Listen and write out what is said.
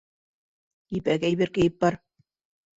Ебәк әйбер кейеп бар.